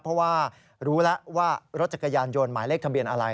เพราะว่ารู้แล้วว่ารถจักรยานยนต์หมายเลขทะเบียนอะไร